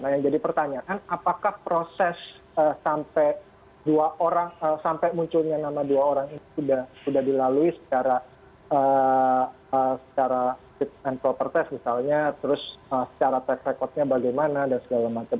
nah yang jadi pertanyaan apakah proses sampai dua orang sampai munculnya nama dua orang ini sudah dilalui secara fit and proper test misalnya terus secara track recordnya bagaimana dan segala macam